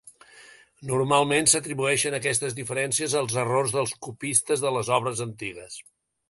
Normalment, s'atribueixen aquestes diferències als errors dels copistes de les obres antigues.